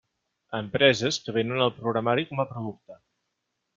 Empreses que venen el programari com a producte.